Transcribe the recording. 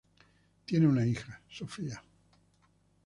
Tienen una hija, Sophia.